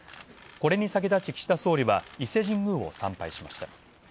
これに先立ち岸田総理は伊勢神宮を参拝しました。